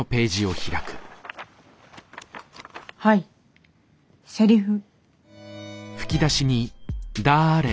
はいセリフ。